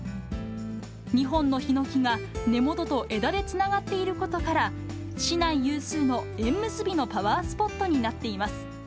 ２本のひのきが根元と枝でつながっていることから、市内有数の縁結びのパワースポットになっています。